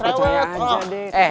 lo percaya aja deh